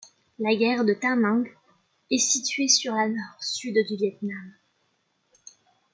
La gare de Đà Nẵng est située sur la Nord-Sud du Viêt Nam.